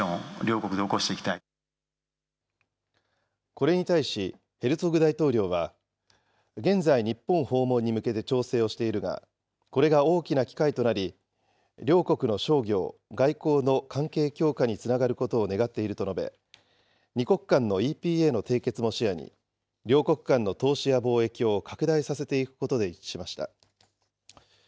これに対し、ヘルツォグ大統領は現在、日本訪問に向けて調整をしているが、これが大きな機会となり、両国の商業、外交の関係強化につながることを願っていると述べ、２国間のＥＰＡの締結も視野に、両国間の投資や貿易を拡大させていくことで一致しました。